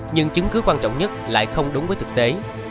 nhưng chứng cứ quan trọng nhất lại không đúng với thực tế